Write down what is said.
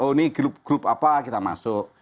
oh ini grup grup apa kita masuk